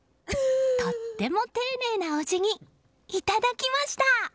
とっても丁寧なお辞儀いただきました！